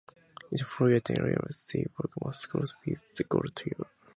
In the Forgotten Realms, they work most closely with the god Tyr.